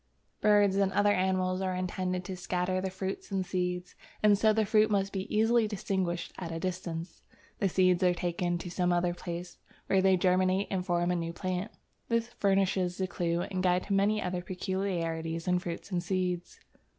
Birds and other animals are intended to scatter the fruits and seeds, and so the fruits must be easily distinguished at a distance. The seeds are taken to some other place, where they germinate and form a new plant. This furnishes the clue and guide to many other peculiarities in fruits and seeds.